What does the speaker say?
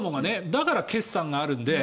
だから決算があるんで。